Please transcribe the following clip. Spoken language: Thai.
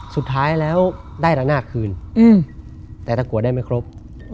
สุดท้ายแล้วได้ระนาคคืนแต่ถ้ากวดได้ไม่ครบ